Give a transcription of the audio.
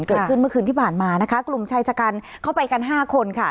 เกิดขึ้นเมื่อคืนที่ผ่านมานะคะกลุ่มชายชะกันเข้าไปกันห้าคนค่ะ